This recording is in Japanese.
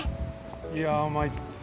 いやまいったなあ。